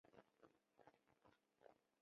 博尔恩哈根是德国图林根州的一个市镇。